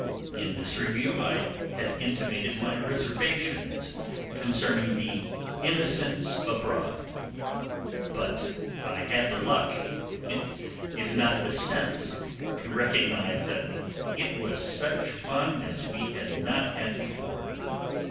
In this review I had intimated my reservations concerning the 'Innocents Abroad', but I had the luck, if not the sense, to recognize that it was such fun as we had not had before.